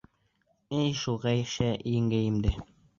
Эй, ошо Ғәйшә еңгәйемде!